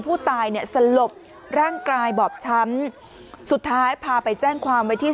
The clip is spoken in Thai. ผู้ตายเนี่ยสลบร่างกายบอบช้ำสุดท้ายพาไปแจ้งความไว้ที่